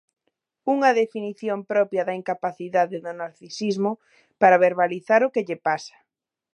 Unha definición propia da incapacidade do narcisismo para verbalizar o que lle pasa.